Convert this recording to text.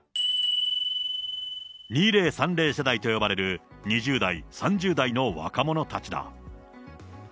２０３０世代と呼ばれる２０代、３０代の若者たちだ。